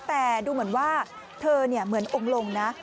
แต่ดูเหมือนว่าเธอเหมือนองค์ลงนะ